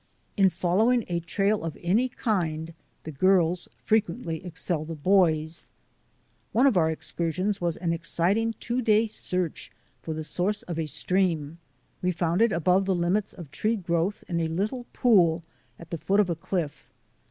In following a trail of any kind the girls frequently excel the boys. One of our excursions was an exciting two day search for the source of a stream. We found it above the limits of tree growth in a little pool at the foot of a cliff.